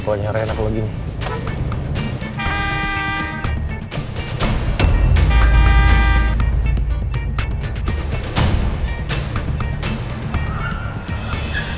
tapi aku ingin kemana mana